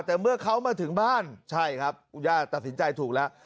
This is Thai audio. แต่เมื่อเขามาถึงบ้านใช่ครับคุณย่าตัดสินใจถูกแล้ว